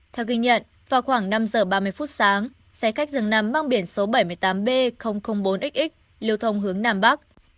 theo ghi nhận vào khoảng năm giờ ba mươi phút sáng xe khách dường nằm mang biển số bảy mươi tám b bốn xx liều thông hướng nam bắc